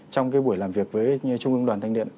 trong cái buổi làm việc với trung ương đoàn thanh niên